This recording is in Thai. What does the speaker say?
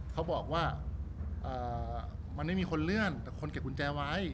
เขาบอกว่ามันไม่มีคนเลื่อนแต่คนเก็บกุญแจไว้